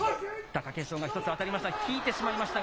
貴景勝が一つ当たりました。